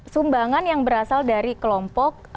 sumbangan yang berasal dari kelompok